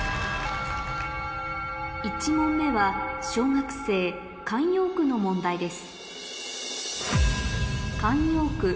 １問目は小学生の問題です